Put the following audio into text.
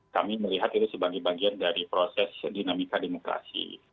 kami melihat itu sebagai bagian dari proses dinamika demokrasi